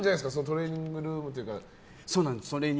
トレーニングルームというか。